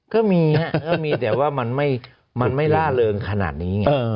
ก็มีครับก็มีแต่ว่ามันไม่ล่าเริงขนาดนี้ไง